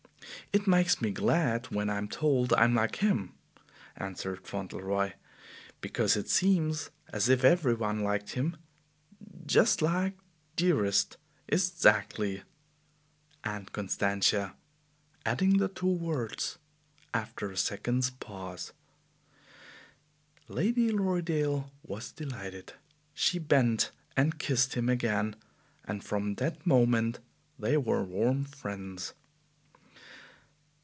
"It makes me glad when I am told I am like him," answered Fauntleroy, "because it seems as if every one liked him, just like Dearest, eszackly, Aunt Constantia" (adding the two words after a second's pause). Lady Lorridaile was delighted. She bent and kissed him again, and from that moment they were warm friends.